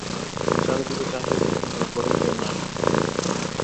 চারি দিকে চাহিয়া দেখিল, ঘরে কেহ নাই।